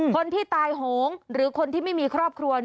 คนที่ตายโหงหรือคนที่ไม่มีครอบครัว